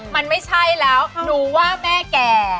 มันไม่ใช่แล้วหนูว่าแม่แก่